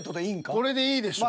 これでいいでしょう。